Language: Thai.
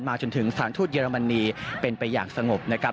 จนถึงสถานทูตเยอรมนีเป็นไปอย่างสงบนะครับ